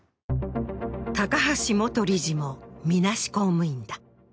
高橋元理事もみなし公務員だ。